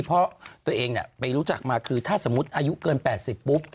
เพราะตัวเองไปรู้จักมาคือถ้าสมมุติอายุเกิน๘๐ปุ๊บ